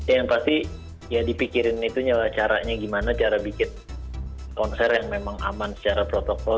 yang pasti ya dipikirin itu nyala caranya gimana cara bikin konser yang memang aman secara protokol